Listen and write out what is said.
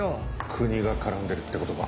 国が絡んでるってことか。